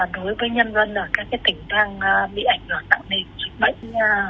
đối với nhân dân ở các tỉnh đang bị ảnh hưởng tạo nên bệnh